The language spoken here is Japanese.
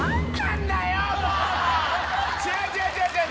違う違う違う違う！